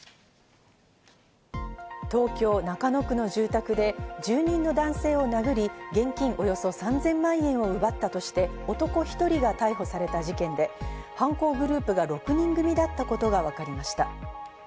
東京・中野区の住宅で住人の男性を殴り、現金およそ３０００万円を奪ったとして男１人が逮捕された事件で、犯行グループが６人組だったことがわかりました。